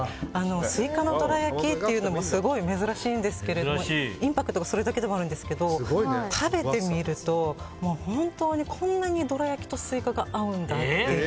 スイカのどら焼きというのもすごい珍しいんですけどインパクトがそれだけでもあるんですけど食べてみると、こんなにどら焼きとスイカが合うんだって。